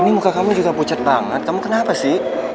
ini muka kamu juga pucat banget kamu kenapa sih